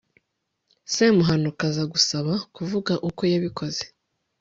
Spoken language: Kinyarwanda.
semuhanuka aza gusaba kuvuga uko yabikoze